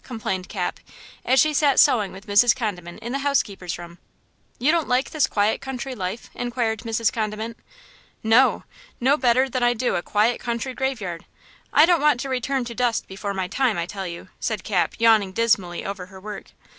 complained Cap, as she sat sewing with Mrs. Condiment in the housekeeper's room. "You don't like this quiet country life?" inquired Mrs. Condiment. "No! no better than I do a quiet country graveyard! I don't want to return to dust before my time, I tell you!" said Cap, yawning dismally over her work.